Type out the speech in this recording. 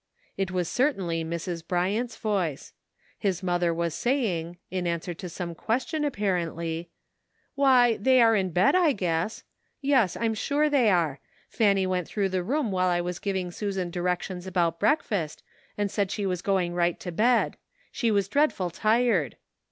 It was certainly Mrs. Bryant's voice. His 60 *' WHAT COULD HAPPEN?'* mother was saying, in answer to some question apparently, "Why, they are in bed, I guess; yes, I'm sure they are. Fanny went through the room while I was giving Susan directions about breakfast, and said she was going right to bed. She was dreadful tired.